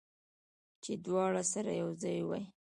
چې دواړه سره یو ځای وي